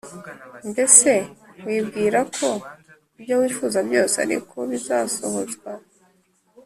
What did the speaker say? Mbese wibwirako ibyo wifuza byose ariko bizasohozwa